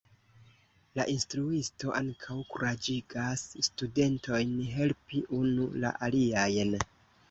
La instruisto ankaŭ kuraĝigas studentojn helpi unu la aliajn.